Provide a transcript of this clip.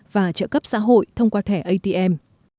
và trợ cấp xã hội thông qua thẻ atm